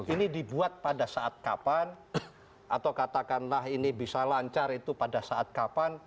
ini dibuat pada saat kapan atau katakanlah ini bisa lancar itu pada saat kapan